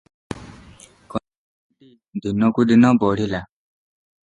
କନ୍ୟାଟି ଦିନକୁ ଦିନ ବଢ଼ିଲା ।